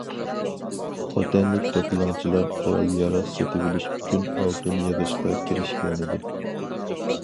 خوتەنلىك توپىلاڭچىلار قورال- ياراغ سېتىۋېلىش ئۈچۈن ئالتۇن يىغىشقا كىرىشكەنىدى.